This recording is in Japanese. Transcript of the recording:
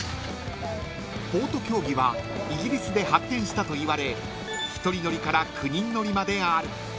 ［ボート競技はイギリスで発展したといわれ１人乗りから９人乗りまである］